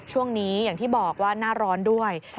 ช่วงนี้อย่างที่บอกว่าหน้าร้อนด้วย